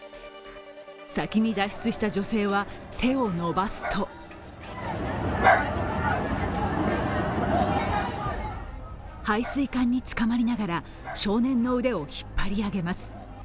先に脱出した女性は手を伸ばすと排水管につかまりながら、少年の腕を引っ張り上げます。